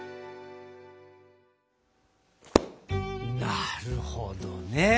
なるほどね！